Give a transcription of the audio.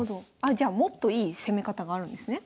じゃあもっといい攻め方があるんですね。